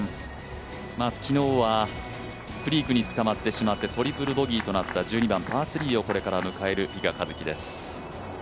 昨日はクリークにつかまってしまってトリプルボギーとなった１２番パー３をこれから迎える比嘉一貴です。